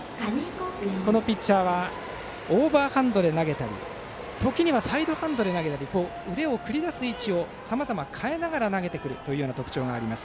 このピッチャーはオーバーハンドで投げたり時にはサイドハンドで投げたり腕を繰り出す位置をさまざま変えながら投げてくる特徴があります。